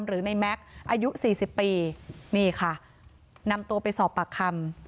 หรือในแม็กซ์อายุสี่สิบปีนี่ค่ะนำตัวไปสอบปากคำ